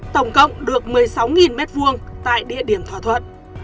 tổng cộng được một mươi sáu m hai tại địa điểm thỏa thuận